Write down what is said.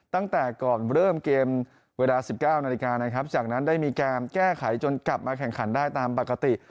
ตั้งแต่ก่อนเริ่มเกมเวลา๑๙นาฬิกานะครับจากนั้นได้มีการแก้ไขจนกลับมาแข่งขันได้ตามปกติ